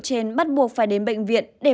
trên bắt buộc phải đến bệnh viện để